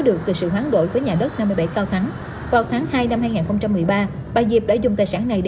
được từ sự hoán đổi với nhà đất năm mươi bảy cao thắng vào tháng hai năm hai nghìn một mươi ba bà diệp đã dùng tài sản này để